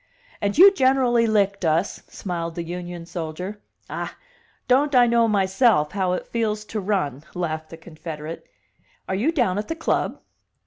"And you generally licked us," smiled the Union soldier. "Ah! don't I know myself how it feels to run!" laughed the Confederate. "Are you down at the club?"